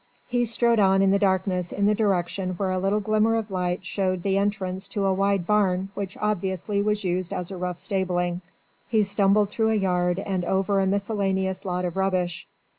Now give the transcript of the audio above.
He strode on in the darkness in the direction where a little glimmer of light showed the entrance to a wide barn which obviously was used as a rough stabling. He stumbled through a yard and over a miscellaneous lot of rubbish.